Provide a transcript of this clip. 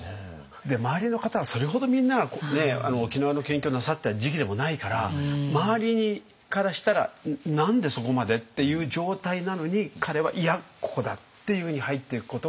周りの方はそれほどみんなが沖縄の研究をなさった時期でもないから周りからしたら「何でそこまで？」っていう状態なのに彼は「いやここだ！」っていうふうに入っていくことがすごい。